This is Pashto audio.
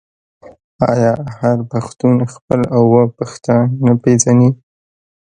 آیا هر پښتون خپل اوه پيښته نه پیژني؟